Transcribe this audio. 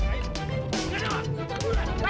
hei kalian sedang apa